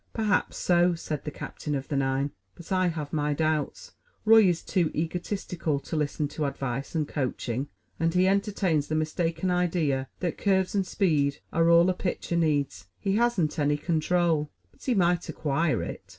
"Perhaps so," said the captain of the nine; "but I have my doubts. Roy is too egotistical to listen to advice and coaching, and he entertains the mistaken idea that curves and speed are all a pitcher needs. He hasn't any control." "But he might acquire it."